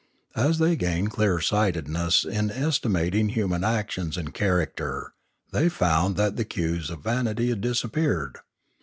As they gained clear sightedness in estimating human actions and char acter, they found that the cues of vanity had disap peared.